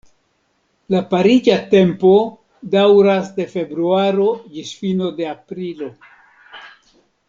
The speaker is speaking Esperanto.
La pariĝa tempo daŭras de februaro ĝis fino de aprilo.